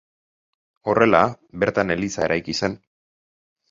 Horrela, bertan eliza eraiki zen.